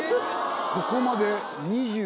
ここまで。